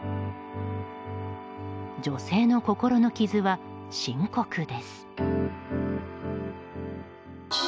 女性の心の傷は深刻です。